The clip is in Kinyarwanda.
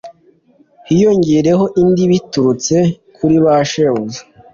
hiyogeyereho indi biturutse kuri ba shebuja